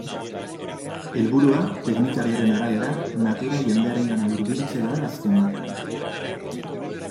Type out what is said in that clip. Helburua, teknikariaren arabera, natura jendearengana hurbiltzea da azken batean.